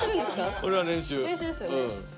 これは練習。